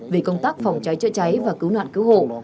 về công tác phòng cháy chữa cháy và cứu nạn cứu hộ